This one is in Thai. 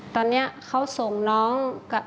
ตอนนี้เขาส่งน้องกับ